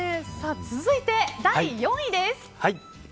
続いて第４位です。